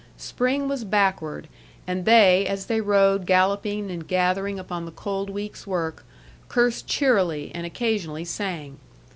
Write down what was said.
Spring was backward, and they, as they rode galloping and gathering upon the cold week's work, cursed cheerily and occasionally sang.